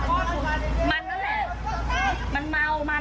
ตัวเองดับกุญแจตัวเองดับกุญแจมัน